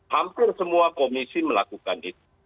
hampir semua komisi melakukan itu